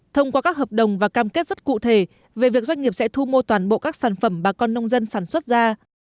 thông qua các hợp đồng và cam kết rất cụ thể về việc doanh nghiệp sẽ thu mua toàn bộ các sản phẩm bà con nông dân sản xuất ra